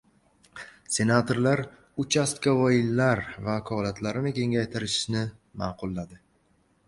Senatorlar «uchastkavoy»lar vakolatlarini kengayshtirishni ma’qulladi